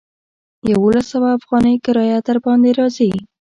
يوولس سوه اوغانۍ کرايه درباندې راځي.